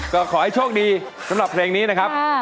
ก็ขอให้โชคดีสำหรับเพลงนี้นะครับ